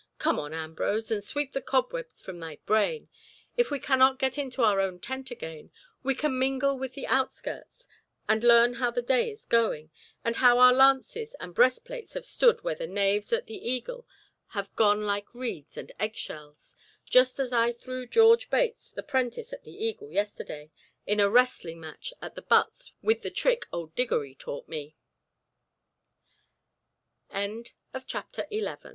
"Come on, Ambrose, and sweep the cobwebs from thy brain. If we cannot get into our own tent again, we can mingle with the outskirts, and learn how the day is going, and how our lances and breastplates have stood where the knaves' at the Eagle have gone like reeds and egg shells—just as I threw George Bates, the prentice at the Eagle yesterday, in a wrestling match at the butts with the trick old Diggory taught me." CHAPTER XII.